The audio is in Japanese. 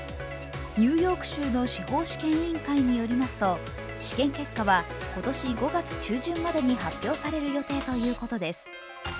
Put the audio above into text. ニューヨーク州の司法試験委員会によりますと、試験結果は今年５月中旬までに発表される予定ということです。